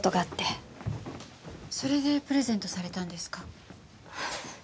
それでプレゼントされたんですか？